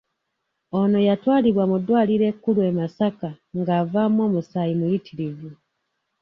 Ono yatwalibwa mu ddwaliro ekkulu e Masaka ng'avaamu omusaayi muyitirivu.